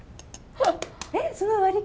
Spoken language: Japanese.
あっ。